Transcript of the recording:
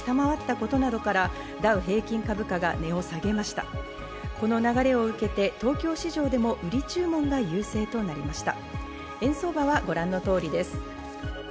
この流れを受けて東京市場でも売り注文が優勢となりました。